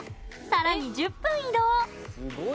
さらに１０分移動。